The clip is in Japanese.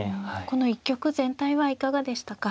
この一局全体はいかがでしたか。